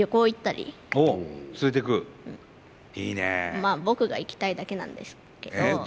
まあ僕が行きたいだけなんですけど。